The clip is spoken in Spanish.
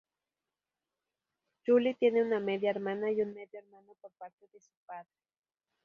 Julie tiene una media hermana y un medio hermano por parte de su padre.